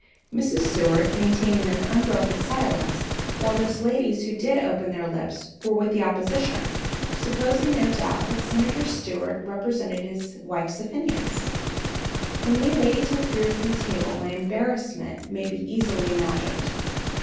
Mrs. Seward maintained an unbroken silence, while those ladies who did open their lips were with the opposition, supposing, no doubt, that Senator Seward represented his wife's opinions. When we ladies withdrew from the table my embarrassment may be easily imagined.